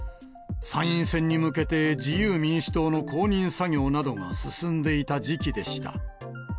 参院選に向けて、自由民主党の公認作業などが進んでいた時期でした。